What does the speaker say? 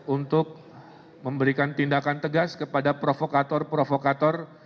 untuk memberikan tindakan tegas kepada provokator provokator